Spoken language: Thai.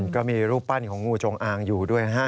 ก็มีรูปปั้นของงูจงอางอยู่ด้วย